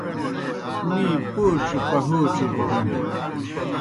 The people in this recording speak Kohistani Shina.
می پوڇیْ پہَوڇیْ گہ ہنیْ۔